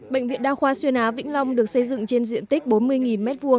bệnh viện đa khoa xuyên á vĩnh long được xây dựng trên diện tích bốn mươi m hai